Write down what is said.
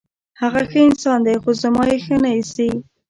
هغه ښه انسان دی، خو زما یې ښه نه ایسي.